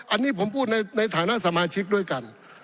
อันนี้ผมพูดในฐานะสมาชิกด้วยกัน